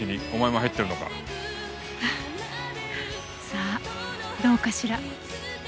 さあどうかしら？